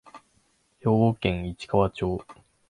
兵庫県市川町